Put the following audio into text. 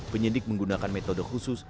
penyidik menggunakan metode khusus